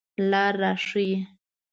لار را ښایئ